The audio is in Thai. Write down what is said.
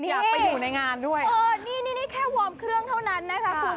อยากไปอยู่ในงานด้วยเออนี่นี่แค่วอร์มเครื่องเท่านั้นนะคะคุณ